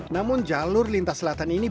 namun jalur lintas selatan ini